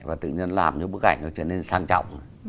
và tự nhiên làm những bức ảnh nó trở nên sang trọng